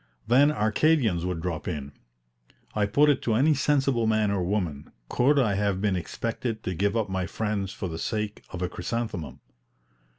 Then Arcadians would drop in. I put it to any sensible man or woman, could I have been expected to give up my friends for the sake of a chrysanthemum?